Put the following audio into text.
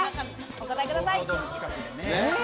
お答えください。